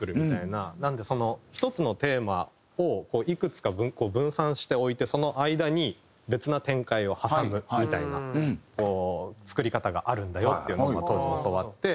なのでその１つのテーマをこういくつか分散しておいてその間に別な展開を挟むみたいな作り方があるんだよっていうのを当時教わって。